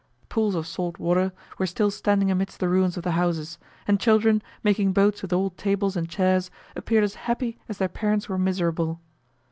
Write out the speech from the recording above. Pools of salt water were still standing amidst the ruins of the houses, and children, making boats with old tables and chairs, appeared as happy as their parents were miserable.